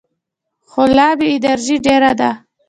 خو لا مې انرژي ډېره ده.